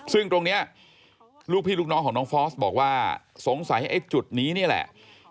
ซึ่งตรงนี้ลูกพี่ลูกน้องของน้องฟอสบอกว่าสงสัยไอ้จุดนี้นี่แหละ